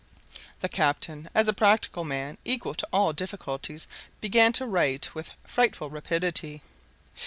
The captain, as a practical man equal to all difficulties, began to write with frightful rapidity.